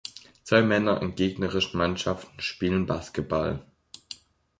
Zwei Männer in gegnerischen Mannschaften spielen Basketball.